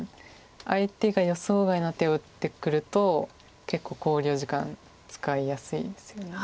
相手が予想外な手を打ってくると結構考慮時間使いやすいですよね。